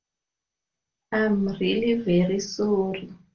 I’m really very sorry.